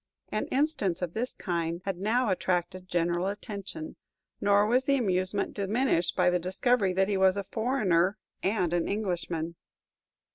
An instance of this kind had now attracted general attention, nor was the amusement diminished by the discovery that he was a foreigner and an Englishman.